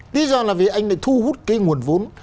lý do là vì anh lại thu hút cái nguồn vốn